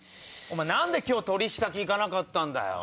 何で今日取引先行かなかったんだよ。